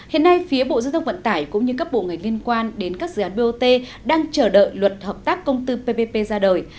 hiện nay phía bộ giao thông vận tải cũng như các bộ ngành liên quan đến các dự án bot đang chờ đợi luật hợp tác công tư ppp ra đời